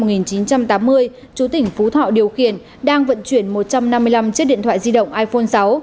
trong ngày một mươi tháng một mươi chú tỉnh phú thọ điều khiển đang vận chuyển một trăm năm mươi năm chiếc điện thoại di động iphone sáu